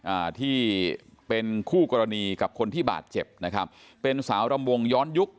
อ่าที่เป็นคู่กรณีกับคนที่บาดเจ็บนะครับเป็นสาวรำวงย้อนยุค